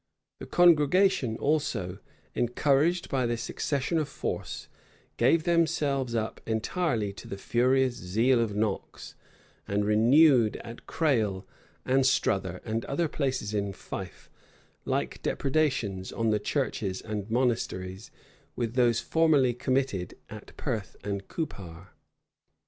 The congregation also, encouraged by this accession of force, gave themselves up entirely to the furious zeal of Knox, and renewed at Crail, Anstruther, and other places in Fife, like depredations on the churches and monasteries with those formerly committed at Perth and Coupar.